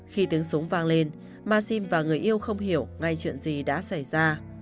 khi tiếng súng vang lên maxim và người yêu không hiểu ngay chuyện gì đã xảy ra